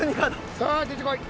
さあ出てこい。